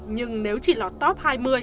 nhưng nếu chỉ lọt top hai mươi ba mươi